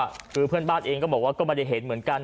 คือเพื่อนบ้านเองก็บอกว่าก็ไม่ได้เห็นเหมือนกัน